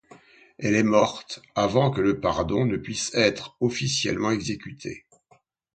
Elle est morte avant que le pardon ne puisse être officiellement exécuté.